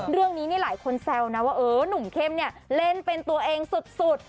เรื่องนี้หลายคนแซวนะว่าเออหนุ่มเข้มเนี่ยเล่นเป็นตัวเองสุด